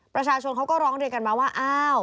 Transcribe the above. ประชาชนเขาก็ร้องเรียนกันมาว่าอ้าว